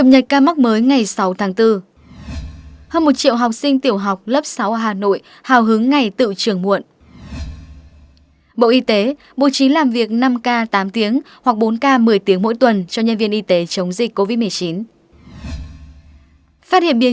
hãy đăng ký kênh để ủng hộ kênh của chúng mình nhé